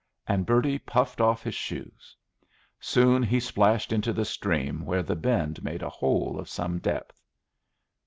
And Bertie puffed off his shoes. Soon he splashed into the stream where the bend made a hole of some depth.